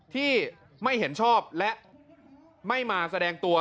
ที่ไม่เห็นชอบและไม่มาแสดงตัว